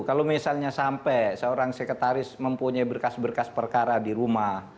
kalau misalnya sampai seorang sekretaris mempunyai berkas berkas perkara di rumah